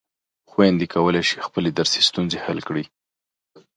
خویندې کولای شي خپلې درسي ستونزې حل کړي.